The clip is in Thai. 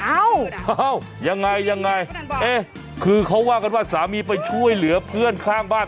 เอ้ายังไงยังไงเอ๊ะคือเขาว่ากันว่าสามีไปช่วยเหลือเพื่อนข้างบ้าน